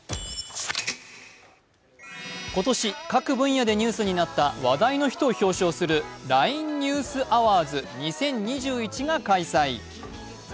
今年、各分野でニュースになった話題の人を表彰するＬＩＮＥＮＥＷＳＡＷＡＲＤＳ２０２１が開催。